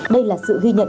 đây là sự ghi nhận